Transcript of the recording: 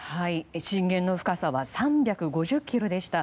震源の深さは３５０ｋｍでした。